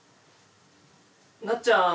なっちゃん